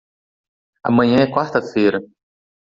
Amanhã é quarta feira.